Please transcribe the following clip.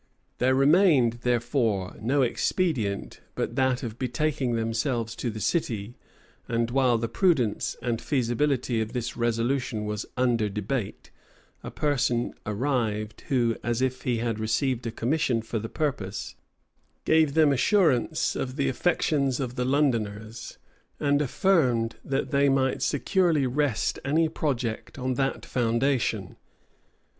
There remained, therefore, no expedient but that of betaking themselves to the city; and while the prudence and feasibility of this resolution was under debate, a person arrived, who, as if he had received a commission for the purpose, gave them assurance of the affections of the Londoners, and affirmed that they might securely rest any project on that foundation.